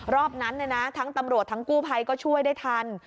รอบนั้นทั้งตำรวจทั้งกู้ภัยก็ช่วยได้ทัน